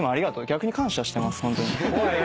逆に感謝してますホントに。